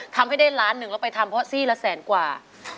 ทำให้ได้ล้านหนึ่งแล้วไปทำเพราะซี่ละแสนกว่า